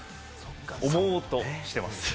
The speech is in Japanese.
思おうとしてます。